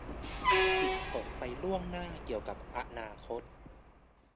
จิตตกไปล่วงหน้าเกี่ยวกับอนาคต